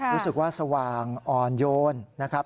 รู้สึกว่าสว่างอ่อนโยนนะครับ